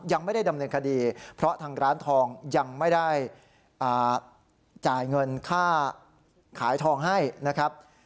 ยังไม่ได้ดำเนินคดีเพราะทางร้านทองยังไม่ได้จ่ายเงินค่าขายทองให้นะครับ